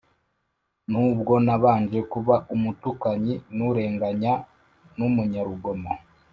nubwo nabanje kuba umutukanyi n’urenganya n’umunyarugomo.